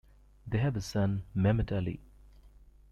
They have a son Mehmet Ali.